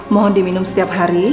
mohon diminum setiap hari